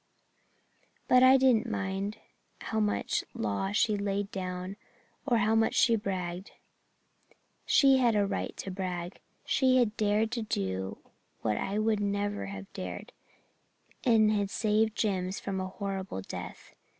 But I didn't mind how much law she laid down or how much she bragged. She had a right to brag she had dared to do what I would never have dared, and had saved Jims from a horrible death.